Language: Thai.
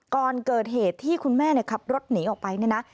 ก่อนเกิดเหตุที่คุณแม่ขับรถหนีออกไปเนี่ยนะ